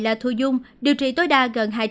là thu dung điều trị tối đa gần